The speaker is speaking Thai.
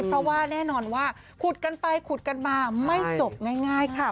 เพราะว่าแน่นอนว่าขุดกันไปขุดกันมาไม่จบง่ายค่ะ